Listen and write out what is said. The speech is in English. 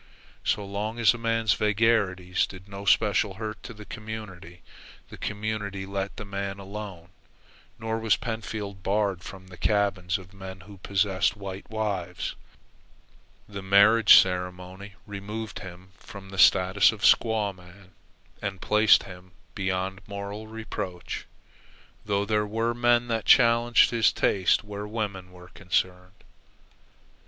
So long as a man's vagaries did no special hurt to the community, the community let the man alone, nor was Pentfield barred from the cabins of men who possessed white wives. The marriage ceremony removed him from the status of squaw man and placed him beyond moral reproach, though there were men that challenged his taste where women were concerned.